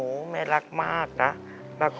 แต่ที่แม่ก็รักลูกมากทั้งสองคน